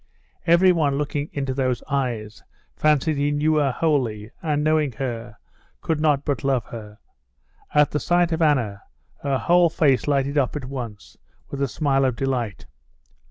Everyone looking into those eyes fancied he knew her wholly, and knowing her, could not but love her. At the sight of Anna, her whole face lighted up at once with a smile of delight.